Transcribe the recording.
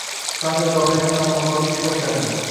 Samvel Babayan «Navbahor»da ish boshladi